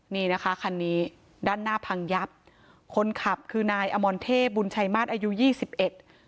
นี่นะคะคันนี้ด้านหน้าพังยับคนขับคือนายอมรเทพบุญชัยมาตรอายุยี่สิบเอ็ด